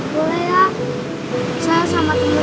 bagaimana berkata tersayang minta kanglim hati